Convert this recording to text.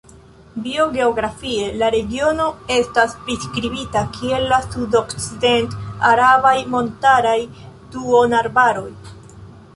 Biogeografie la regiono estas priskribita kiel la sudokcident-arabaj montaraj duonarbaroj.